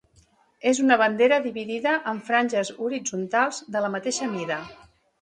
És una bandera dividida en franges horitzontals de la mateixa mida.